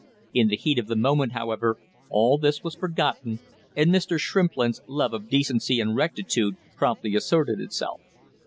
In the heat of the moment, however, all this was forgotten, and Mr. Shrimplin's love of decency and rectitude promptly asserted itself.